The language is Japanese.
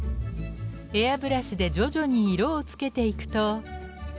エアブラシで徐々に色を付けていくと。